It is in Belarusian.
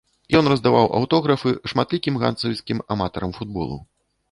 Ён раздаваў аўтографы шматлікім ганцавіцкім аматарам футболу.